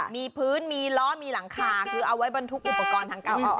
มีพื้นมีล้อมีหลังคาคือเอาไว้บรรทุกอุปกรณ์ทางการออก